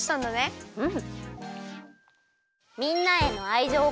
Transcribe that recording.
うん！